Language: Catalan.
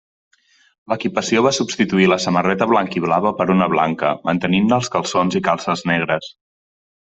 L'equipació va substituir la samarreta blanc-i-blava per una blanca, mantenint-ne els calçons i calces negres.